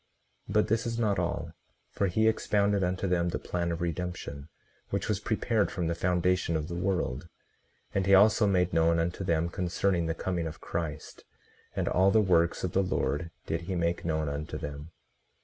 18:39 But this is not all; for he expounded unto them the plan of redemption, which was prepared from the foundation of the world; and he also made known unto them concerning the coming of Christ, and all the works of the Lord did he make known unto them.